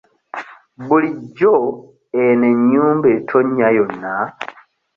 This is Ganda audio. Bulijjo eno ennyumba etonnya yonna?